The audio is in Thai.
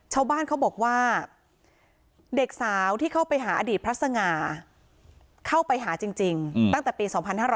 ชาวบ้านเขาบอกว่าเด็กสาวที่เข้าไปหาอดีตพระสง่าเข้าไปหาจริงตั้งแต่ปี๒๕๕๙